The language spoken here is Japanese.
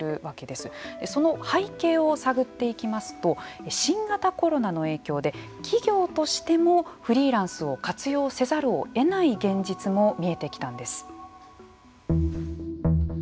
その背景を探っていきますと新型コロナの影響で企業としてもフリーランスを活用せざるをえない現実も見えてきたんです。